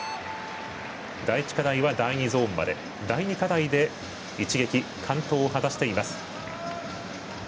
第１課題は第２ゾーンまで第２課題で一撃完登を果たしています。